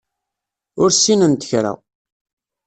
Ur ssinent kra.